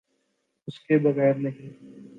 اس کے بغیر نہیں۔